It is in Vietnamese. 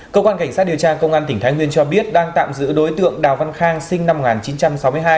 cơ quan cảnh sát điều tra công an tỉnh thái nguyên cho biết đang tạm giữ đối tượng đào văn khang sinh năm một nghìn chín trăm sáu mươi hai